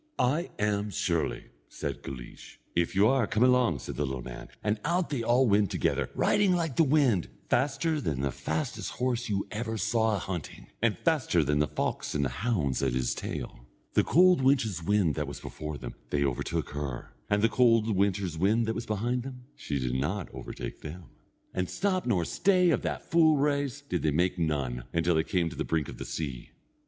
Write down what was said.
"I am surely," said Guleesh. "If you are, come along," said the little man, and out they went all together, riding like the wind, faster than the fastest horse ever you saw a hunting, and faster than the fox and the hounds at his tail. The cold winter's wind that was before them, they overtook her, and the cold winter's wind that was behind them, she did not overtake them. And stop nor stay of that full race, did they make none, until they came to the brink of the sea.